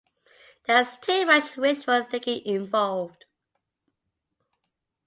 There is too much wishful thinking involved.